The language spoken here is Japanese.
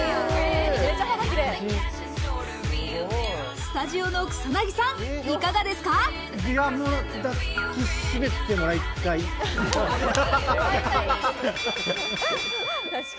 スタジオの草薙さん、いかがですか？